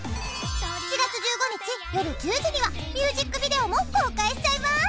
７月１５日よる１０時にはミュージックビデオも公開しちゃいます！